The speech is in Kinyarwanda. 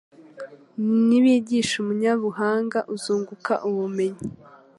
nibigisha umunyabuhanga azunguka ubumenyi